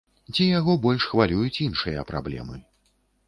Ці яго больш хвалююць іншыя праблемы.